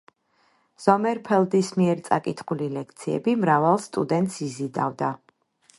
ზომერფელდის მიერ წაკითხული ლექციები მრავალ სტუდენტს იზიდავდა.